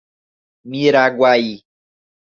Miraguaí